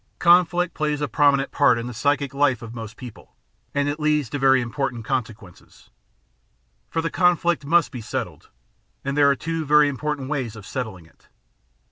Conflict plays a prominent part in the psychic life of most people, and it leads to very important consequences. For the con flict must be settled, and there are two very important ways of settling it.